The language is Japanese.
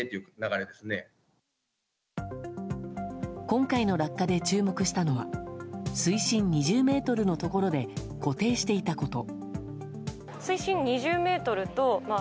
今回の落下で注目したのは水深２０ｍのところで固定していたこと。